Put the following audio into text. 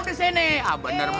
gini yang paling kaya di kue